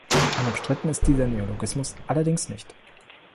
Unumstritten ist dieser Neologismus allerdings nicht.